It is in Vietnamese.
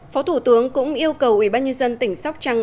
phó thủ tướng cũng yêu cầu ủy ban nhân dân tỉnh sóc trăng